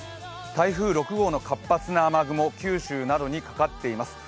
台風６号の活発な雨雲、九州などにかかっています。